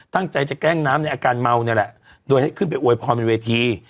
ตั้งใจจะแกล้งน้ำในอาการเมาเนี่ยแหละโดยให้ขึ้นไปอวยพรบนเวที